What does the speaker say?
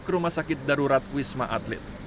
ke rumah sakit darurat wisma atlet